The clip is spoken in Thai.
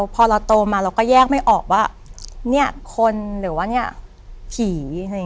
พอเราโตมาเราก็แยกไม่ออกว่าเนี่ยคนหรือว่าเนี่ยผี